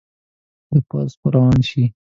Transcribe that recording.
د پوځ به روان شي.